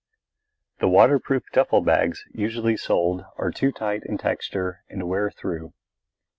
The waterproof duffel bags usually sold are too light in texture and wear through.